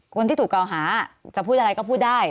คนที่ถูกกล่าวหาจะพูดอะไรก็พูดได้